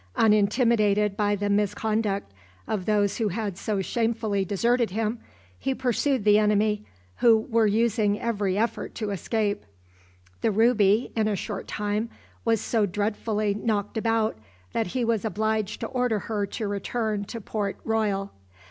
Unintimidated by the misconduct of those who had so shamefully deserted him, he pursued the enemy, who were using every effort to escape. The "Ruby" in a short time was so dreadfully knocked about that he was obliged to order her to return to Port Royal.